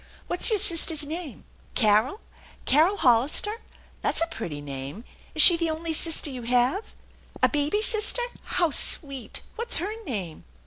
What' s your sister's name ? Carol ? Carol Hollister? That's a pretty name! Is she the only sister you have? A baby sister? How sweet! What's her name?